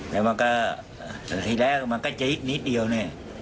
แล้วมันก็ทีแรกมันก็จะอีกนิดเดียวเนี่ย